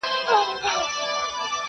پاته په دې غرو کي د پېړیو حسابونه دي،